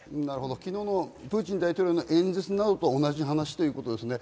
昨日のプーチン大統領の演説などと同じ話ですね。